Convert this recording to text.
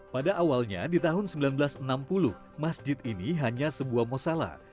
pada awalnya di tahun seribu sembilan ratus enam puluh masjid ini hanya sebuah mosala